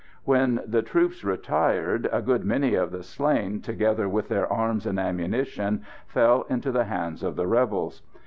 When the troops retired a good many of the slain, together with their arms and ammunition, fell into the hands of the rebels.